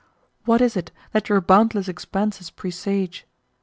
What is it that your boundless expanses presage?